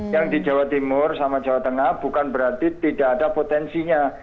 yang di jawa timur sama jawa tengah bukan berarti tidak ada potensinya